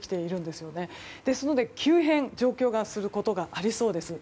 ですので、急変することがありそうです。